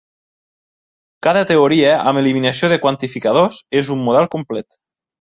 Cada teoria amb eliminació de quantificadors és un model complet.